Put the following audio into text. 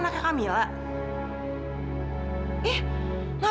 maka ayam mau gal cream